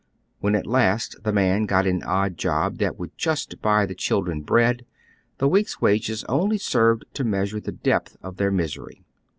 When at last the man got an odd job that would just buy the children bread, the week's wages only served to measure the depth of their misery.